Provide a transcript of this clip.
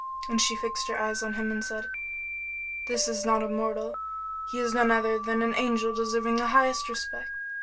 And she fixed her eyes on him and said, "This is not a mortal, he is none other than an angel deserving the highest respect."